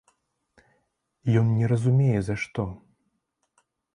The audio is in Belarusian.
Ён не разумее за што!